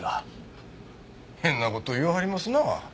変な事言わはりますなあ。